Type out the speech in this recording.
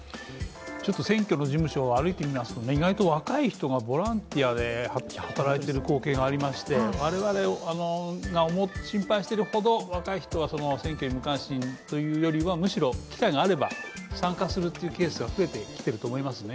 選挙の事務所を歩いてみますと意外と若い人がボランティアで働いてる光景がありまして我々が心配してるほど若い人はそれほど選挙に無関心というよりはむしろ機会があれば参加するケースが増えてきていると思いますね。